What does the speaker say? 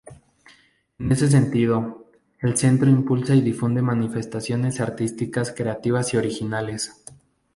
En ese sentido, El Centro impulsa y difunde manifestaciones artísticas creativas y originales.